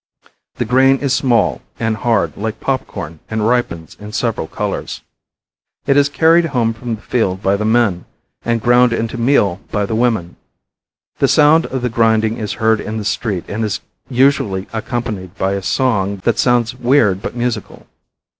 The grain is small and hard like popcorn and ripens in several colors. It is carried home from the field by the men, and ground into meal by the women. The sound of the grinding is heard in the street and is usually accompanied by a song that sounds weird but musical.